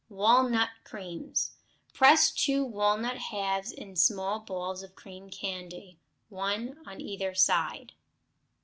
Walnut Creams Press two walnut halves on small balls of cream candy, one on either side.